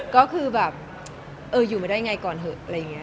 ก็คือแบบเอออยู่มาได้ยังไงก่อนเหอะอะไรอย่างเงี้ยค่ะ